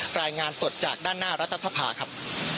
รายงานสดจากด้านหน้ารัฐสภาครับ